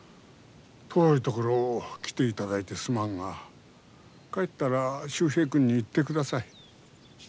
遠いところを来ていただいてすまんが帰ったら秀平君に言ってください。